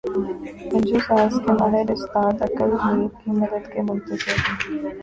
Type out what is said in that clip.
بنجو ساز کے ماہر استاد عقل میر کی مدد کے منتظر